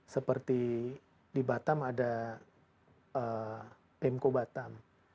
seperti di batam ada mko batam